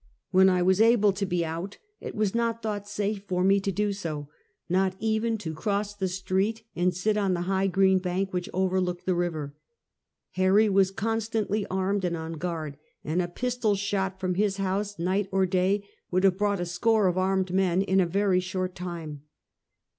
"When I was able to be out it was not thought safe for me to do so — not even to cross the street and sit on the high green bank which overlooked the river. Harry was constantly armed and on guard, and a pistol shot from his house, night or day, w^ould have brought a score of armed men in a very short time.